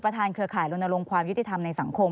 ประธานเครือข่ายโรนโลงความยุติธรรมในสังคม